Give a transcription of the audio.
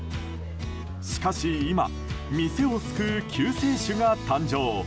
しかし今、店を救う救世主が誕生。